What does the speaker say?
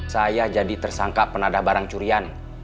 saya jadi tersangka penadah barang curian